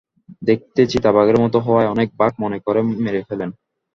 দেখতে চিতা বাঘের মতো হওয়ায় অনেকে বাঘ মনে করে মেরে ফেলেন।